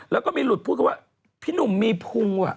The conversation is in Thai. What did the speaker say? แล้วก็มีหลุดพูดว่าพี่หนุ่มมีภูมิว่ะ